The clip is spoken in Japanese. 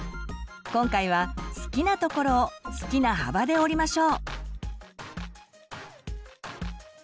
今回は好きなところを好きな幅で折りましょう。